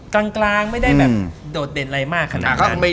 กลางไม่ได้โดดเด่นอะไรมากถนั้น